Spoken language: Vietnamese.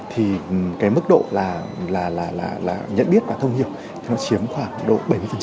thì cái mức độ là nhận biết và thông hiệp thì nó chiếm khoảng độ bảy mươi